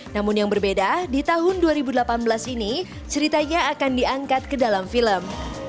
namun yang berbeda di tahun dua ribu delapan belas ini ceritanya akan diangkat ke dalam film